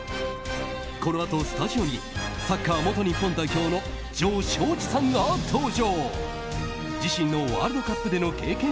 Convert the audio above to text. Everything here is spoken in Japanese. このあとスタジオにサッカー元日本代表の城彰二さんが登場。